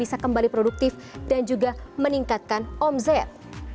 bisa kembali produktif dan juga meningkatkan omzet